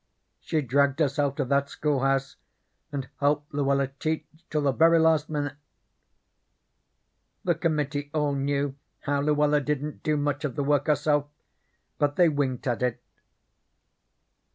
She dragged herself to that schoolhouse and helped Luella teach till the very last minute. The committee all knew how Luella didn't do much of the work herself, but they winked at it.